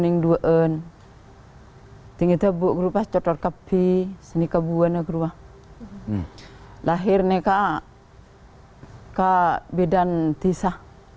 berdua n tinggir tabuk grup pascotor kpi seni kebunnya gua lahir neka kak bedan tisa